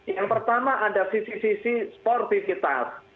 yang pertama ada sisi sisi sportivitas